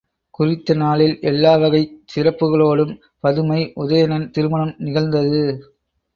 குறித்த நாளில் எல்லா வகைச் சிறப்புக்களோடும் பதுமை உதயணன் திருமணம் நிகழ்ந்தது.